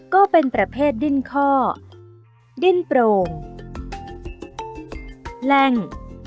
ก็เป็นประเภทดิ้นข้อดิ้นโปร่งแหล่ง